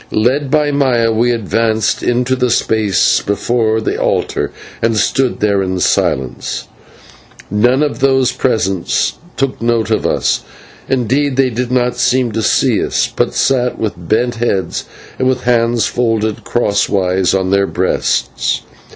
Led by Maya we advanced into the space before the altar, and stood there in silence. None of those present took note of us; indeed, they did not seem to see us, but sat with bent heads and with hands folded crosswise on their breasts.